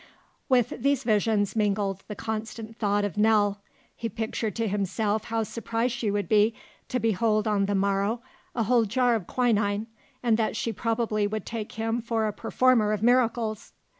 With these visions mingled the constant thought of Nell. He pictured to himself how surprised she would be to behold on the morrow a whole jar of quinine, and that she probably would take him for a performer of miracles.